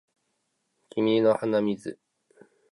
君の鼻水